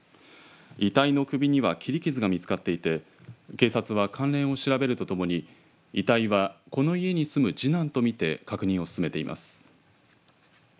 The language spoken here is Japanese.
遺体の首には切り傷が見つかっていて警察は関連を調べるとともに遺体はこの家に住む次男と見て確認を進めています。